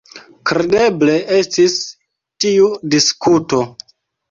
Kredeble estis tiu diskuto.